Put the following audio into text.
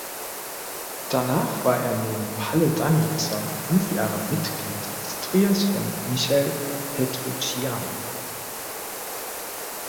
Danach war er neben Palle Danielsson fünf Jahre Mitglied des Trios von Michel Petrucciani.